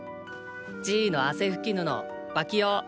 じいの汗ふき布ワキ用。